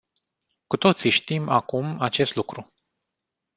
Cu toții știm acum acest lucru.